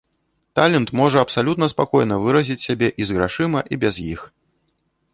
Талент можа абсалютна спакойна выразіць сябе і з грашыма і без іх.